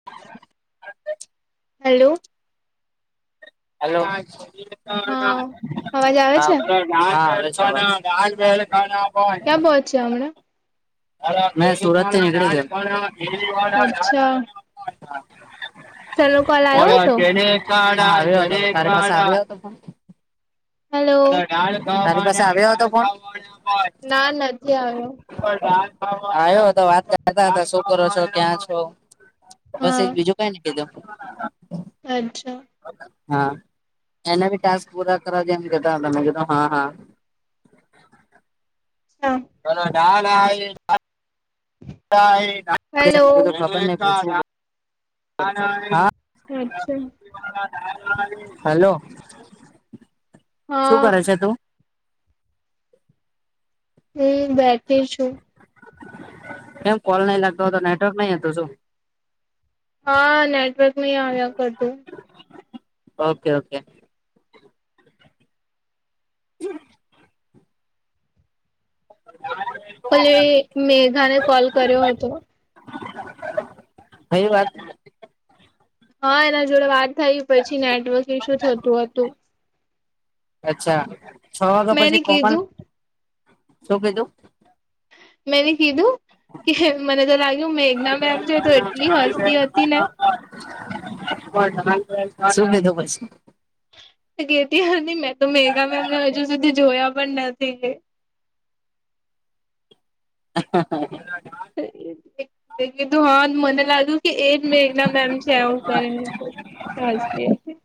[inaudible] Hello hello હા અવાજ આવે હ છે હા [unintelligible] ક્યાં પોત છે હમણાં મે સુરત થી [unintelligible] અચ્છા સરનો કોલ આવ્યો હતો [unintelligible] [unintelligible] હેલો તારી પાસે આવ્યો હતો ફોન ના નથી આવ્યો આવ્યો હતો વાત કરતા હતા શું કરો છો ક્યાં છો બસ એક હા બીજું કઈ નને કીધું અચ્છા હા એના ટસ્ક પૂરા કરવા જે મે કીધું હા હા હા બલો ડાલ હેલો હા અચ્છા હલો શું હા કરે છે તું હમ બેઠી છું એમ કોલ નહી લાગતો હતો નેટવર્ક નહી હતું શું હા નેટવર્ક ન આવ્યા કરતું ઓકે ઓકે હ ભલે મેઘાને કોલ કર્યો હતો કઈ વાત હા એના જોડે વાત થય પછી નેટવર્ક શું થતું હતું અચ્છા છ વાગ્યા મેં એને પછી કોમન કીધું શું કીધું મેંને કીધું કે મને તો લાગ્યું મેઘના મેમ છે તો એટલી હસતી હતી ને શું લીધો પછી? ગેતી હતી મેં તો મેગા મેમ ને હજુ સુધી જોયા પણ નથી. [inaudible] કે કીધું હા મને લાગ્યું કે એ જ મેઘના મેમ છે હું કરીને [unintelligible]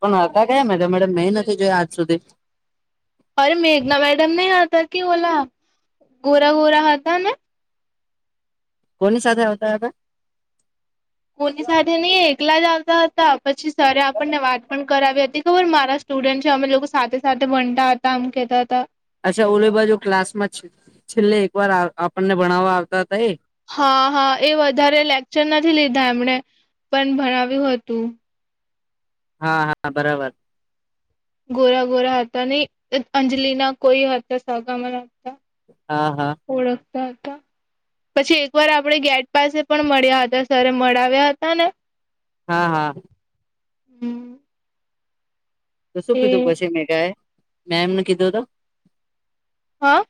પણ હતા ક્યા મે તડમ મેં નથી જોયા આજ સુધી અરે મેઘના મેડમ નહી આાથ કે ઓલા ગોરા ગોરા હા હતા ને કોની સાથે આવતા હ કોની સાથે નહી એકલા જ આવતા હતા પછી સર આપણને વાત પણ કરાવી હતી ખબર મારા સ્ટુડન્ટ છે અમે લોકો સાથે સાથે બનતા હતા આમ કેહેતા હતા. અચ્છા ઓલે બાજુ ક્લાસ માં છેલ્લે એક વાર આપણને ભણાવવા આવતા હતા એ? હા હા એ વધારે લેક્ચર નથી લીધા એમણે પણ ભણાવ્યું હતું. હા, હા, બરાબર. ગોરા ગોરા હતા નહી અંજલિના કોઈ હતા સગામ હતા. હા, હા. ઓળખતા હતા. પછી એક વાર આપણે ગેટ પાસે પણ મળ્યા હતા સર મળાવ્યા હતા ને હા હા. હમ તો શું કીધું એ પછી મેકા એ મેમ ને કીધો હતો? હા?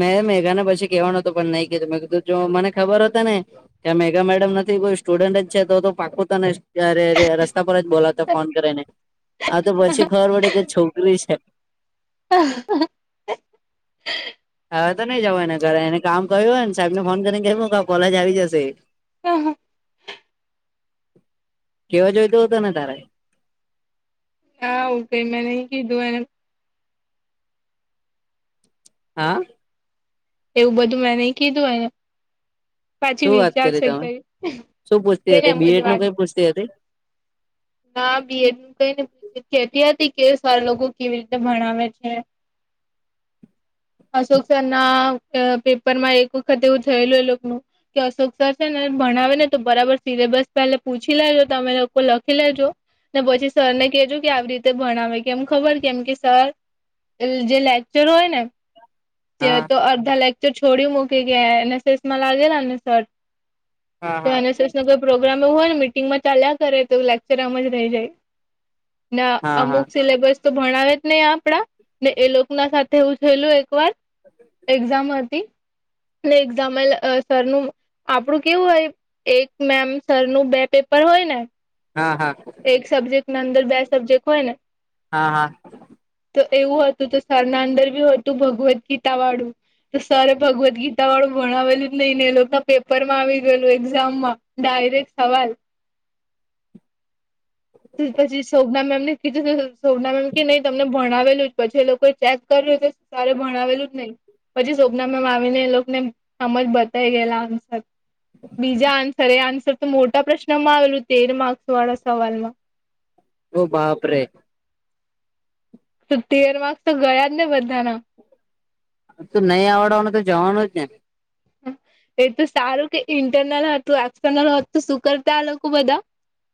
મેં મેઘા ને પછી કહેવાનો હતો પણ નહી કધું મેં કીધું જો મને ખબરત ને ત્યાં મેગા મેડમ નથી કોઈ સ્ટુડન્ટ જ છે તો તો પાકું તને ત્યારે રસ્તા પર જ બોલાતા ફોન કરીને આ તો પછી ખબર પડે કે છોકરી છે. [inaudible] હવે તો નઈ જાવ એને ઘરે એને કામ કર્યું હોય ને સાહેબ ને ફોન કરીને કેવું કે કોલેજ આવી જશે. હા, હા. કેવા જોઈતો હતો ને તારે? હા એતો મે નહીં કીધું એને. હા? એવું બધું મેં નઈ કીધું એને. પાછી શું વાત કરી વિચારશે તમે કઈ શું પૂછતી તેમ હતી બીએડ નું વાત કઈ પૂછતી હતી [unintelligible] હા [unintelligible] કઈને કે હતી કે સર લોકો કેવી રીતે ભણાવે છે [inaudible] અશોક સર ના પેપરમાં એક વખત એવું થયેલું એ લોકોનું કે અશોક સરર છે ને ભણાવે ને તો બરાબર સિલેબસ પહેલે પૂછી લેજો તમે લોકો લખી લેજો ને પછી સરને કેજો કે આવી રીતે ભણાવે કે એમ ખબર કેમ કે સર જે લેક્ચર હોય ને હા તો અડધા લેકચર છોડી મૂકી ગયા એનએસએસ માં લાગેલા ને સર હા તો હા એનએસસ નો કોઈ પ્રોગ્રામ એવું હોય ને મિટિંગમાં ચાલ્યા કરે તો લેક્ચર આમ જ રહી જાય. ને હા હા અમુક સિલેબસ તો ભણાવે જ નહી આપડા ને એ લોકો ના સાથે હું થયેલું એક વાર એક્ઝામ હતી એક્ઝામ સરનું આપણું કેવું હોય? એક મેમ સર નું બે પેપર હોય ને? હા, હા. એક સબ્જેક્ટ ના અંદર બે સબ્જેક્ટ હોય ને? હા હા તો એવું હતું તો સરના અંદર બી હતું ભગવદ્ ગીતા વાળું. તો સર ભગવદ ગીતા વાળું ભણાવેલું જ નહી ને એ લોકો ના પેપર માં આવી ગયેલું એક્ઝામમાં. ડાયરેક્ટ સવાલ પછી શોભના મેમ ને કીધું સોભના મેમ કે નહી તમને ભણાવેલું જ પછી એ લોકોએ ચેક કર્યું તો સારે ભણાવેલું જ નહી. પછી સોપના મેમ આવીને એ લોકો ને સમજ બતાય ગયેલા. બીજા આન્સર એ આન્સર તો મોટા પ્રશ્નમાં આવેલું તેર માર્ક્સ વાળા સવાલમાં. ઓ બાપરેે. તો તેર માર્ક્સ તો ગયા જ ને બધાના. તું નહીં આવડવાને તો જવાનું જ ને. [unintelligible] એટલ સારું કે ઇન્ટરનલ હતું એક્સટર્નલત તો શું કરતા આ લોકો બધા?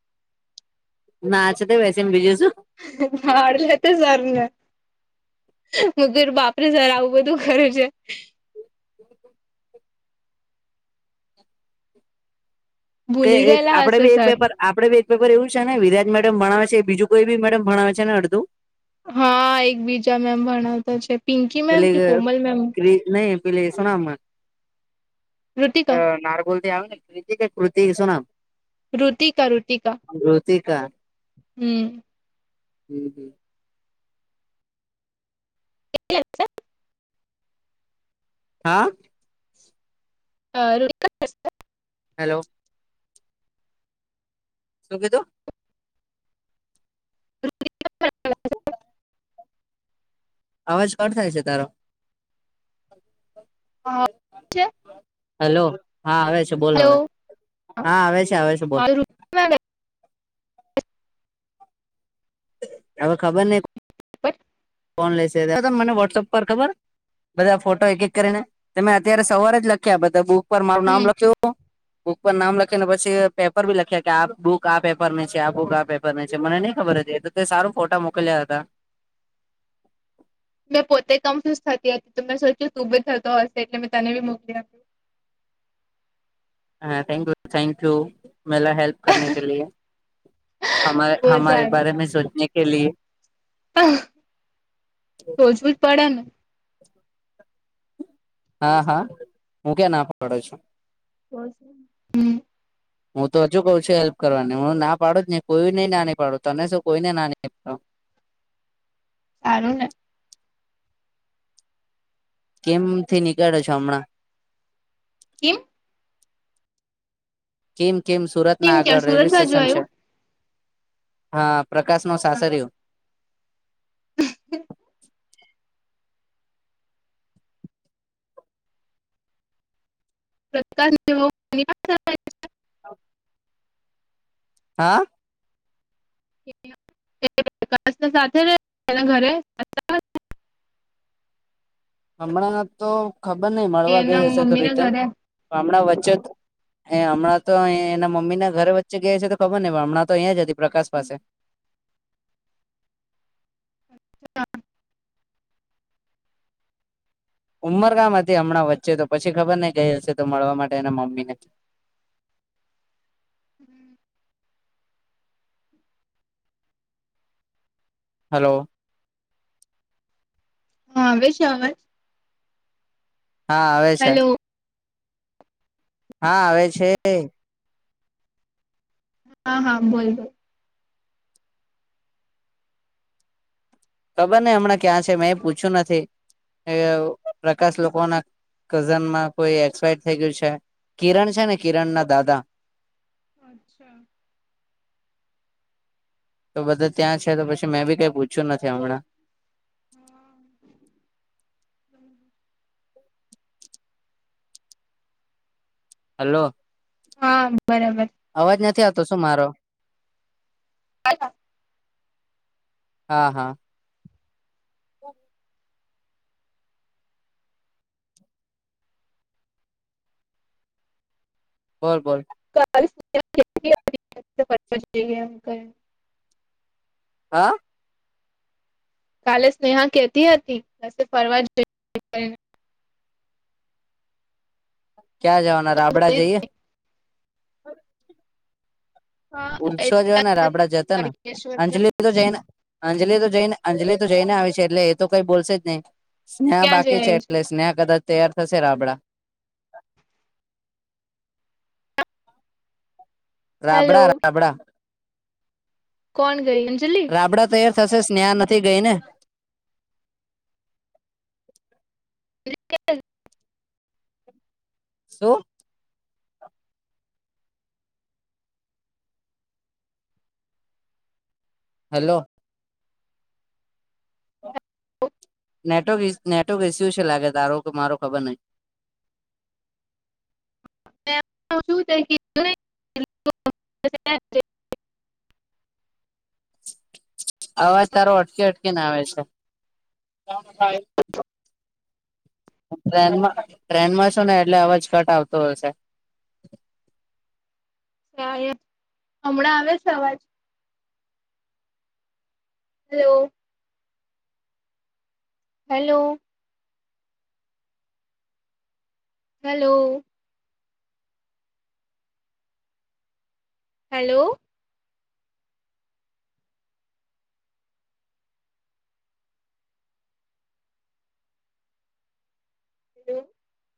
[inaudible] ના છે તોમ બીજુંસું. હડ લ તો સારું. હુંધર બાપરે સર આવું બધું કરું છે. કે ભૂલી એક ગયેલા આપડે હશે ભી એક સર પેપર આપડે બેજ પેપર એવું છે ને વિરાજ મેડમ ભણાવ છે બીજું કોઈ બી મેડમ ભણાવે છે ને અડધું. હા એક બીજા મેમ ભણાવતા છે. પિંકી મેમ પેલે કે કોમલ મેમ કે નહી પેલે સુના મે? ઋતિકા અ નારગોલ ત્યાં [unintelligible] કૃતિ શું નામ? ટીક ઋતિક કૃતિકા હમ્મ. હમ્મ. [unintelligible] હા. અ હલો. શું કીધું? [unintelligible] અવાજ કો થાય છે તારો. હા [unintelligible] હેલો હા આવે છે બોલ હવે હા આવે છે આવે છે બોલ. હવે ખબર નહીં. [inaudible] ફોન લેશે તમ મને વોટ્સઅપ પર ખબર. બધા ફોટો એકિક કરીને તમે અત્યારે સવારે જ લખ્યા બધા બુક પર મારું નામ લખ્યું. બુક પર નામ લખી ને પછી પેપર બી લખ્યા કે આ બુક આ પેપર ની છે આ બુક આ પેપર ની છે મને નઈ ખબર છે એ. તે સારું ફોટા મોકલ્યા હતા. મેં પોતે કમ્ફ્યુઝ થતી હતી તો મેં સોચ્યું ત ઉ બ જ થતો હશે એટલે મેં તને બી મોકલી આપ. હા થેન્ક યુ થેન્ક યુ મેલા હેલ્પ. બહુ સારું [unintelligible] સોચવું જ પડે ને હા હા હું કે્યા ના પાડ્યો છું. બ છે હમ્મ. હું તો હજુ કઉ છું હેલ્પ કરવાની હું ના પાડું હી કોઈ નઈ નાની પાડું તને શું કોઈને નાની. સારું ને. કેમ થી નીકળ્યો છો હમણાં? કેમ? કેમ કેમ કેમ સુરતના ક્યાં આગળ સુરત રેલ્વે બાજુ સ્ટેશન છે. આવ્યું હા પ્રકાશ નું સાસરું. [unintelligible] [unintelligible] [inaudible] હા. [unintelligible] ઘરે.. હમણાં તો ખબર નહ કે મળવા એના ગઈ હશે તો મમ્મી ના રિટર્ન ઘરે હમણાં વચ્ચત. એ હમણાં તો અ એના મમ્મી ના ઘરે વચ્ચે ગયા છે તો ખબર નહ પણ હમણાં તો અહીં જ હતી પ્રકાશ પાસે. [inaudible] ઉંમર કામ હતી હમણાં વચ્ચે તો પછી ખબર ન ગય હશે તો મળવા માટે મમ્મી ને. [inaudible] હલો. હા આવે. હા આવે છે હેલો હા આવે છે હા હા બોલ ખબર ને હમણાં ક્યાં છે મેં પૂછ્યું નથી પ્રકાશ લોકો ના કઝનમાં કોઈ એક્સપાયર થઈ ગયું છે કિરણ છે ને કિરણ ના દાદા અચ્છા તો બધા ત્યાં છે તો પછી મેં બી કઈ પૂછ્યું નથી હમણાં [inaudible] હલો હા બરાબર અવાજ નથી આવતો શું મારો [inaudible] હા હા હ બોલ બોલ [unintelligible] હા કાલે સ્નેહા કેતી હતી કસે ફરવા જઈ એમ કરીને ક્યાં જવાના રાબડા જઈએ પુછો જોવા ને રાબડા જતા ને અંજલી અલી તો જને અંજલીિ તો જઈને અંજલિ તો જઈને આવી છે એટલે એ તો કઈ બોલશે જ નહી સ્નેહા ક્યાં જઈ બાકી છે રહી એટલે સ્નેહા કદાચ તૈયાર થશે રાબડા- - હેલો રાબડા રાબડા. કોણ કરી અંજલી? રાબડા તૈયાર થશે સ્નેહા નથી ગઈ ને. [unintelligible] શુ હલો નેટવર્ક નેટવર્ક ઇસ્યુ છે લાગે તારુ કે મારુ ખબર નહી. [unintelligible] અવાજ તારો અટકે અટકીને આવે છે. ટ્રેનમાં ટ્રેનમાં શું ને એટલે અવાજ કટ આવતો હશે. [inaudible] હમણાં આવે છે અવાજ. હલો? હેલો? હેલો? હલો- - [inaudible]